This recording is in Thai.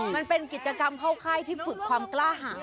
มันเป็นกิจกรรมเข้าค่ายที่ฝึกความกล้าหา